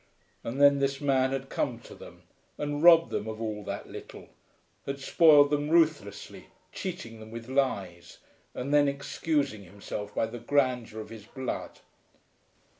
And then this man had come to them and robbed them of all that little, had spoiled them ruthlessly, cheating them with lies, and then excusing himself by the grandeur of his blood!